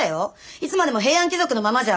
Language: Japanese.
いつまでも平安貴族のままじゃ。